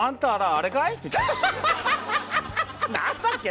「あれかい？